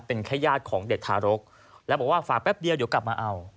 เป็นแค่ญาติของเด็กทารกแล้วบอกว่าฝากแป๊บเดียวเดี๋ยวกลับมาเอา